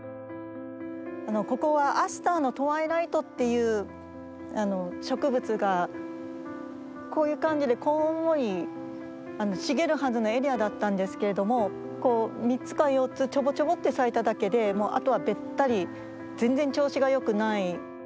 ここはアスターの‘トワイライト’っていう植物がこういう感じでこんもり茂るはずのエリアだったんですけれどもこう３つか４つちょぼちょぼって咲いただけでもうあとはべったり全然調子がよくない。